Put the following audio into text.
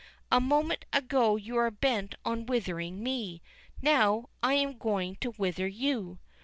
A moment ago you were bent on withering me: now, I am going to wither you."